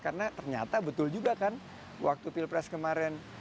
karena ternyata betul juga kan waktu pilpres kemarin